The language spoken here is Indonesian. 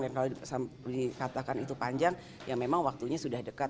dan kalau dikatakan itu panjang ya memang waktunya sudah dekat